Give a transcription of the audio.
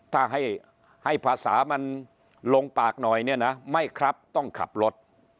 ถ้าให้ภาษามันลงปากหน่อยเนี่ยนะไม่ครับต้องขับรถ